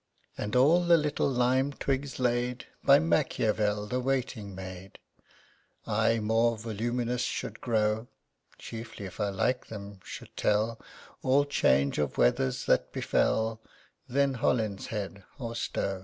And all the little lime twigs laid By Machiavel the waiting maid; I more voluminous should grow (Chiefly if I like them should tell All change of weathers that befell) Then Holinshed or Stow.